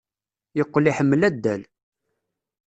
Yeqqel iḥemmel addal.